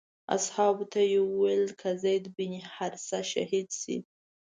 اصحابو ته یې وویل که زید بن حارثه شهید شي.